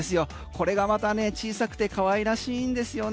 これがまたね小さくてかわいらしいんですよね。